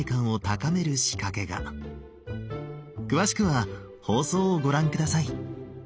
詳しくは放送をご覧下さい。